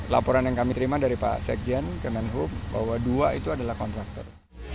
laporan yang kami terima dari pak sekjen kemenhub bahwa dua itu adalah kontraktor